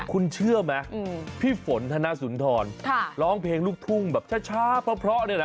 คุณเชื่อไหมพี่ฝนธนสุนทรร้องเพลงลูกทุ่งแบบช้าเพราะเนี่ยนะ